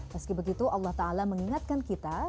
meski begitu allah ta'ala mengingatkan kita